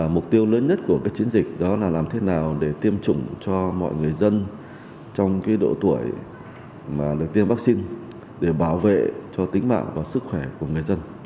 mục tiêu lớn nhất của chiến dịch đó là làm thế nào để tiêm chủng cho mọi người dân trong độ tuổi mà được tiêm vaccine để bảo vệ cho tính mạng và sức khỏe của người dân